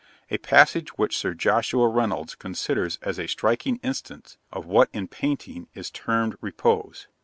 a passage which Sir Joshua Reynolds considers as a striking instance of what in painting is termed repose.